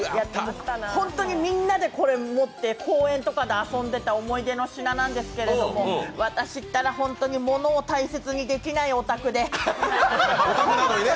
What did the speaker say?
本当にみんなでこれ持って公園とかで遊んでいた思い出の品なんですけども私ったら本当に物を大切にできないオタクで。